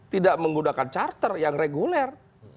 tidak menggunakan charter yang reguler